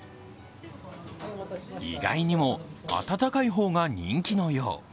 意外にも温かい方が人気のよう。